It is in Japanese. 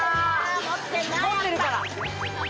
持ってるから。